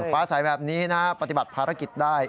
ฟ้าใสแบบนี้นะปฏิบัติภารกิจได้